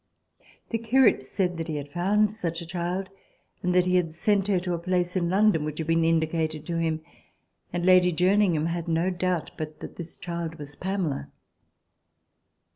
The Curate said that he had found such a child and that he had sent her to a place in London which had been indicated to him, and Lady Jerningham had no doubt but that this child was Pamela.